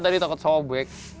tadi takut sobek